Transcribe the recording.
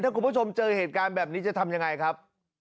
ถ้าคุณผู้ชมเจอเหตุการณ์แบบนี้จะทำยังไงครับ